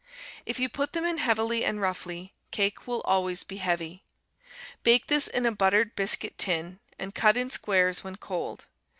If you put them in heavily and roughly, cake will always be heavy. Bake this in a buttered biscuit tin, and cut in squares when cold.